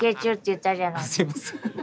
すいません。